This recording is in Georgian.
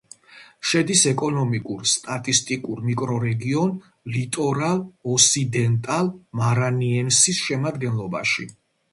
შედის ეკონომიკურ-სტატისტიკურ მიკრორეგიონ ლიტორალ-ოსიდენტალ-მარანიენსის შემადგენლობაში.